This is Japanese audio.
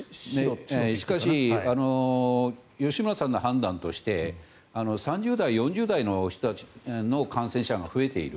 しかし吉村さんの判断として３０代、４０代の人たちの感染者が増えている。